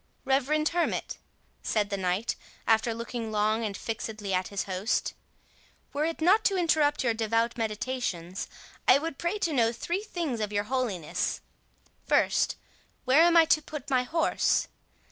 "Reverend hermit," said the knight, after looking long and fixedly at his host, "were it not to interrupt your devout meditations, I would pray to know three things of your holiness; first, where I am to put my horse?